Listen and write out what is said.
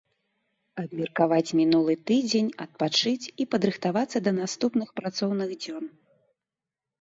Абмеркаваць мінулы тыдзень, адпачыць і падрыхтавацца да наступных працоўных дзён.